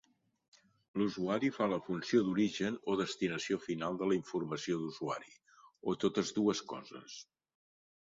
L'usuari fa la funció d'origen o destinació final de la informació d'usuari, o totes dues coses.